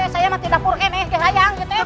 saya sudah mencari dari dapur